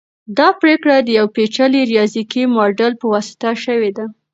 دا پریکړه د یو پیچلي ریاضیکي ماډل په واسطه شوې ده.